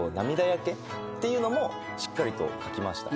やけっていうのもしっかりと描きました。